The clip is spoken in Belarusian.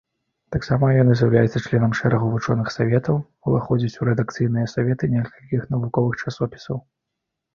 Таксама ён з'яўляецца членам шэрагу вучоных саветаў, уваходзіць у рэдакцыйныя саветы некалькіх навуковых часопісаў.